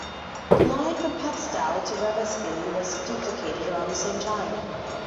The line from Padstow to Revesby was duplicated around the same time.